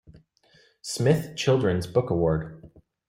Smith Children's Book Award.